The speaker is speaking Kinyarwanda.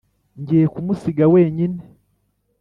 ngiye kumusiga wenyine,